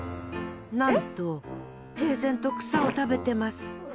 なんと平然と草を食べてます。